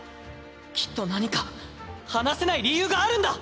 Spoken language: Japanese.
きっと何か話せない理由があるんだ！